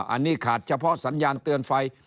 อันนี้ขาดเฉพาะสัญญาณเตือนไฟ